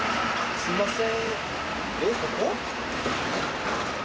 すいません。